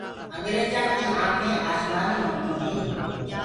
انگيرجآن ڪي آنکينٚ آسمآني هونديو هينٚ۔